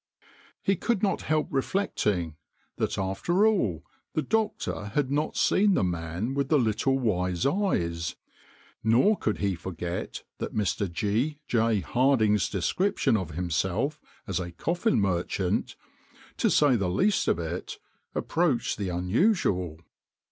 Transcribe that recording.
He could not help reflecting that after all the doctor had not seen the man with the little wise eyes, nor could he forget that Mr. G. J. Harding's description of himself as a coffin merchant, to say the least of it, approached the unusual.